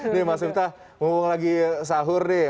ini mas miftah ngomong lagi sahur deh